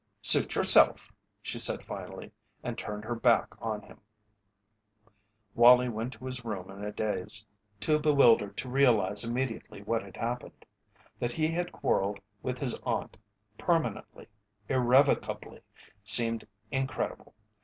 "Suit yourself," she said, finally, and turned her back on him. Wallie went to his room in a daze, too bewildered to realize immediately what had happened. That he had quarrelled with his aunt, permanently, irrevocably, seemed incredible.